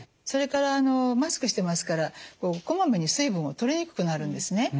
それからマスクしてますからこまめに水分をとりにくくなるんですね。